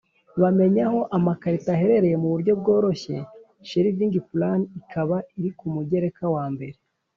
bamenya aho amakarito aherereye mu buryo bworoshye Shelving plan ikaba iri ku mugereka wambere